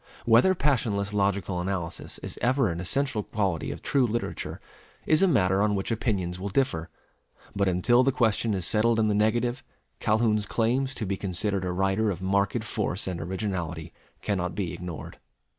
Whether passionless logical analysis is ever an essential quality of true literature, is a matter on which opinions will differ; but until the question is settled in the negative, Calhoun's claims to be considered a writer of marked force and originality cannot be ignored.